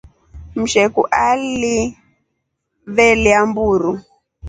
Msheku aliveelya mburu.